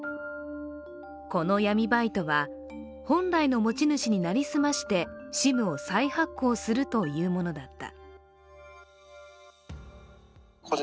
この闇バイトは、本来の持ち主に成り済ましてＳＩＭを再発行するというものだった。